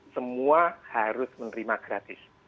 semua harus menerima gratis